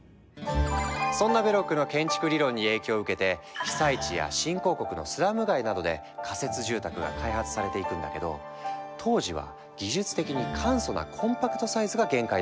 そんなベロックの建築理論に影響を受けて被災地や新興国のスラム街などで仮設住宅が開発されていくんだけど当時は技術的に簡素なコンパクトサイズが限界だった。